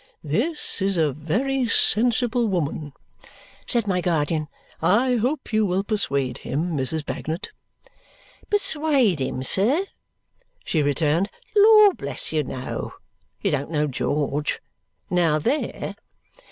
"This is a very sensible woman," said my guardian. "I hope you will persuade him, Mrs. Bagnet." "Persuade him, sir?" she returned. "Lord bless you, no. You don't know George. Now, there!"